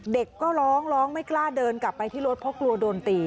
เด็กก็ร้องร้องไม่กล้าเดินกลับไปที่รถเพราะกลัวโดนตี